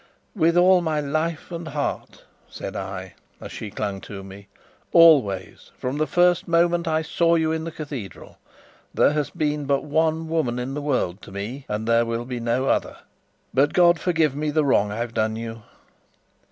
"With all my life and heart," said I, as she clung to me. "Always, from the first moment I saw you in the Cathedral! There has been but one woman in the world to me and there will be no other. But God forgive me the wrong I've done you!"